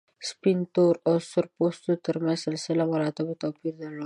سپین، تور او سره پوستو تر منځ سلسله مراتبو توپیر درلود.